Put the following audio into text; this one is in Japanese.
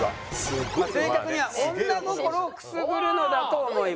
正確には「女心をくすぐるのだと思います」。